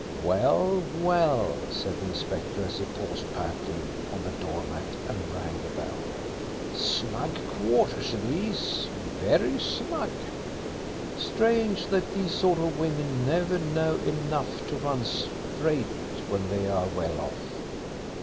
"Well, well," said the inspector, as he paused, panting, on the door mat and rang the bell. "Snug quarters these very snug. Strange that these sort of women never know enough to run straight when they are well off."